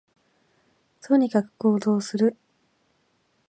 とにかく行動する